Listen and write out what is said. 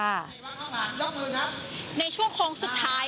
ในช่วงโค้งสุดท้าย